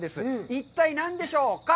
一体何でしょうか？